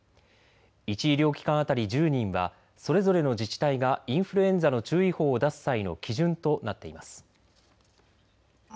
１医療機関当たり１０人はそれぞれの自治体がインフルエンザの注意報を出す際の基準となっています。